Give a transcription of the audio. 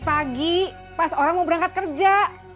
pagi pas orang mau berangkat kerja